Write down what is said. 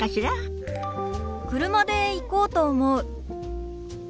車で行こうと思う。